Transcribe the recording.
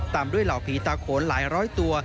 ตามด้วยเหล่าผีตาโขนหลายร้อยตัว